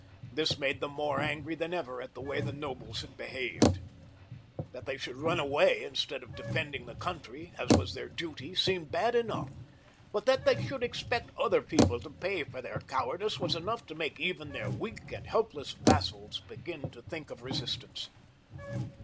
This made them more angry than ever at the way the nobles had behaved. That they should run away instead of defending the coun try, as was their duty, seemed bad enough, but that they should expect other people to pay for their cowardice was enough to make even their weak and helpless vassals begin to think of resistance.